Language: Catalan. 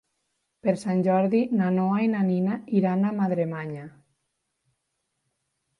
Per Sant Jordi na Noa i na Nina aniran a Madremanya.